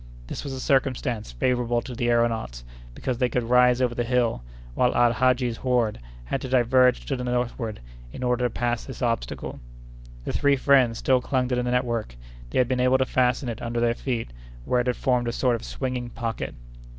This was a circumstance favorable to the aëronauts, because they could rise over the hill, while Al Hadji's horde had to diverge to the northward in order to pass this obstacle. The three friends still clung to the network. They had been able to fasten it under their feet, where it had formed a sort of swinging pocket.